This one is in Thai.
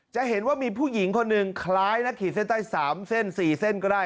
จะเห็นว่ามีผู้หญิงคนหนึ่งคล้ายนักขีดเส้นใต้๓เส้น๔เส้นก็ได้